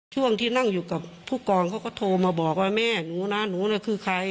ช่วงที่นั่งอยู่กับผู้กองเขาก็โทรมาบอกว่าแม่หนูนะหนูน่ะคือใคร